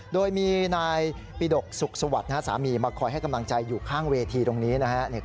โดยมีนายปีดกสุขสวัสดิ์สามีมาคอยให้กำลังใจอยู่ข้างเวทีตรงนี้นะฮะ